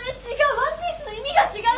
ワンピースの意味が違う！